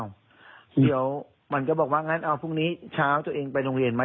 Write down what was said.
เดี๋ยวมันก็บอกว่างั้นเอาพรุ่งนี้เช้าตัวเองไปโรงเรียนไหม